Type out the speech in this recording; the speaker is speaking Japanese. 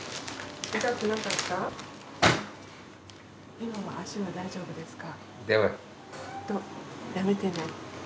今も足は大丈夫ですか？